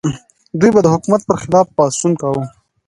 دوی به د حکومت پر خلاف پاڅون کاوه.